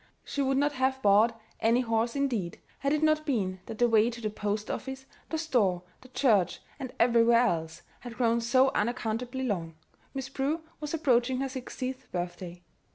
She would not have bought any horse, indeed, had it not been that the way to the post office, the store, the church, and everywhere else, had grown so unaccountably long Miss Prue was approaching her sixtieth birthday.